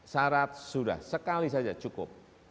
syarat sudah sekali saja cukup